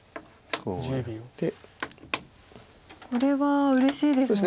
これはうれしいですね。